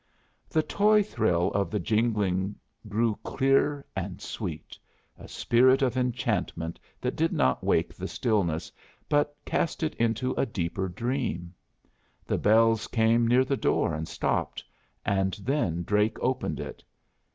The toy thrill of the jingling grew clear and sweet, a spirit of enchantment that did not wake the stillness, but cast it into a deeper dream. The bells came near the door and stopped, and then Drake opened it.